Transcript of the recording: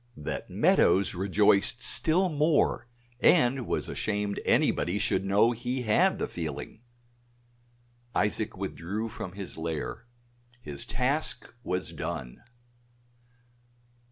That Meadows rejoiced still more and was ashamed anybody should know he had the feeling. Isaac withdrew from his lair; his task was done.